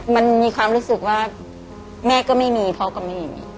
มันมีความรู้สึกว่าแม่ก็ไม่มีพ่อก็ไม่มี